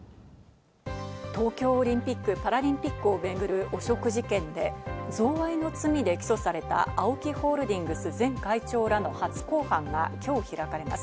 東京オリンピック・パラリンピックを巡る汚職事件で、贈賄の罪で起訴されたＡＯＫＩホールディングス前会長らの初公判が今日開かれます。